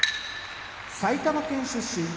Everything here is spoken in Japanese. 富士埼玉県出身